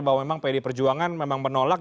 bahwa memang pd perjuangan memang menolak